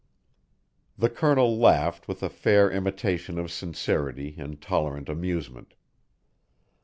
The Colonel laughed with a fair imitation of sincerity and tolerant amusement.